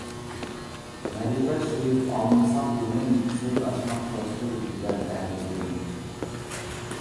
مەرىپەت سۆيۈپ ئالمىساق بىلىم، سۆز ئاچماق تەستۇر گۈزەل ئەتىدىن.